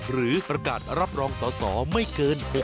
หรือประกาศรับรองสอสอไม่เกิน๖๐